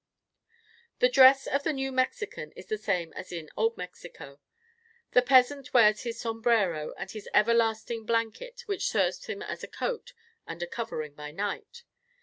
The dress of the New Mexican is the same as in Old Mexico. The peasant wears his sombrero and his everlasting blanket, which serves him as a coat, and a covering by night.